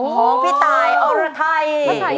ของพี่ตายอ้อละไทย